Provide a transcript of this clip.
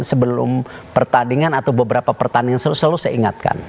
sebelum pertandingan atau beberapa pertandingan selalu saya ingatkan